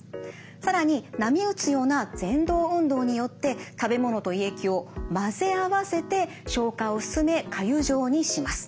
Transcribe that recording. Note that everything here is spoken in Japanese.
更に波打つようなぜん動運動によって食べ物と胃液を混ぜ合わせて消化を進めかゆ状にします。